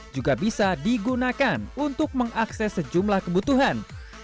juga bisa digunakan untuk mengakses sejumlah kebutuhan